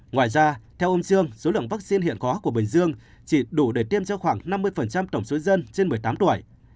ngoài ra theo ông dương số lượng vaccine hiện có của bình dương chỉ đủ để tiêm cho khoảng năm mươi tổng số dân trên một mươi tám tuổi